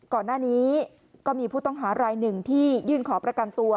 ก่อนหน้านี้ก็มีผู้ต้องหารายหนึ่งที่ยื่นขอประกันตัว